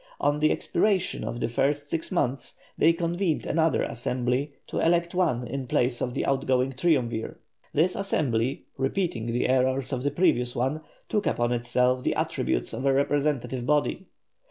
On the expiration of the first six months, they convened another Assembly to elect one in place of the outgoing Triumvir. This Assembly, repeating the errors of the previous one, took upon itself the attributes of a representative body.